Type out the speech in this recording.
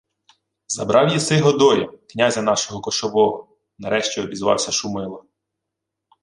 — Забрав єси Годоя, князя нашого кошового, — нарешті обізвався Шумило.